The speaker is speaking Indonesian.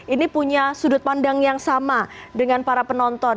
ini punya sudut pandang yang sama dengan para penonton